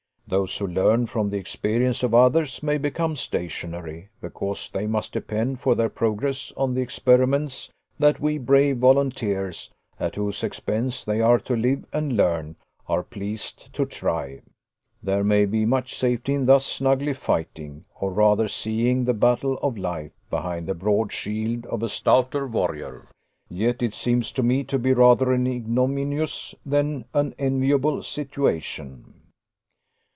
Those who learn from the experience of others may become stationary, because they must depend for their progress on the experiments that we brave volunteers, at whose expense they are to live and learn, are pleased to try. There may be much safety in thus snugly fighting, or rather seeing the battle of life, behind the broad shield of a stouter warrior; yet it seems to me to be rather an ignominious than an enviable situation.